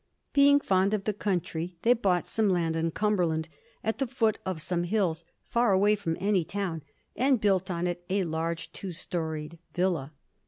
Being fond of the country, they bought some land in Cumberland, at the foot of some hills, far away from any town, and built on it a large two storied villa.